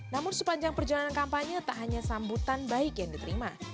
namun sepanjang perjalanan kampanye tak hanya sambutan baik yang diterima